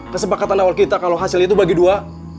kesepakatan awal kita kalau hasil itu bagi dua